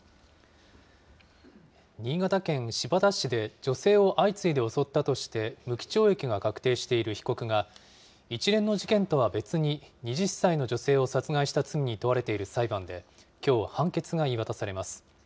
新潟県新発田市で女性を相次いで襲ったとして、無期懲役が確定している被告が、一連の事件とは別に、２０歳の女性を殺害した罪に問われている裁判できょう、判決が言い渡されます。